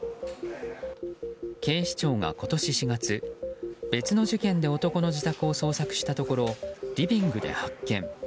警視庁が今年４月別の事件で男の自宅を捜索したところリビングで発見。